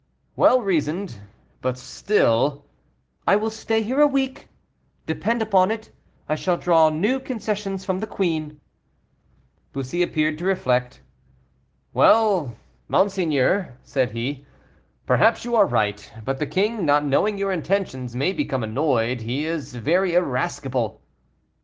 "Well reasoned, but still " "I will stay here a week; depend upon it I shall draw new concessions from the queen." Bussy appeared to reflect. "Well, monseigneur," said he, "perhaps you are right, but the king, not knowing your intentions, may become annoyed; he is very irascible."